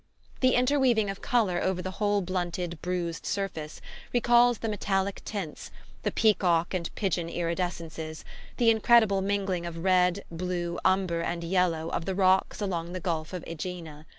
The interweaving of colour over the whole blunted bruised surface recalls the metallic tints, the peacock and pigeon iridescences, the incredible mingling of red, blue, umber and yellow of the rocks along the Gulf of AEgina.